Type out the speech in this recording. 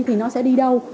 thì nó sẽ đi đâu